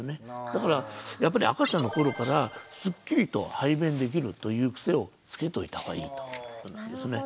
だからやっぱり赤ちゃんの頃からスッキリと排便できるという癖をつけておいた方がいいと思いますね。